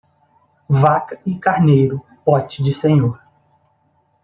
Vaca e carneiro, pote de senhor.